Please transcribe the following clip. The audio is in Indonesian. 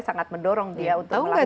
sangat mendorong dia untuk melakukan